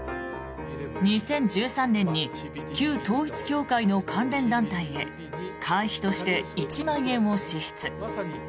２０１３年に旧統一教会の関連団体へ会費として１万円を支出。